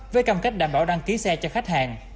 với cầm cách đảm bảo đăng ký xe cho khách hàng